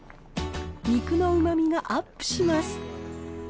肉のうまみがアップします。